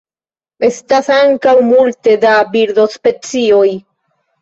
Estas ankaŭ multe da birdospecioj.